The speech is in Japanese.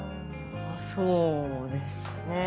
そうですね。